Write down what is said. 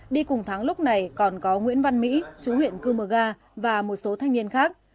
đi cùng thắng lúc này còn có nguyễn văn mỹ chú huyện cư mờ ga và một số thanh niên khác